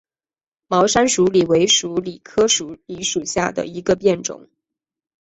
毛山鼠李为鼠李科鼠李属下的一个变种。